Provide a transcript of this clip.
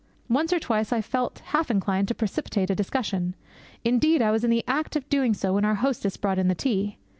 Once or twice I felt half inclined to precipitate a discussion. Indeed, I was in the act of doing so when our hostess brought in the tea.